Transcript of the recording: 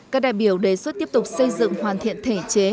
các đại biểu đề xuất tiếp tục xây dựng hoàn thiện thể chế